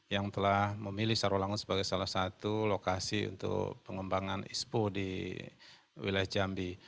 yang telah memilih sarawangun sebagai salah satu lokasi untuk pengembangan ispo di wilayah jambi